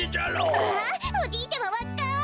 わあおじいちゃまわかい！